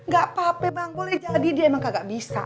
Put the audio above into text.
gak apa apa bang boleh jadi dia emang kagak bisa